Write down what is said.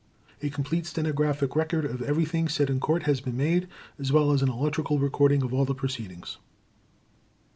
A complete stenographic record of everything said in Court has been made, as well as an electrical recording of all the proceedings.